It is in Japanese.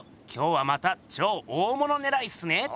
今日はまた超大物ねらいっすね。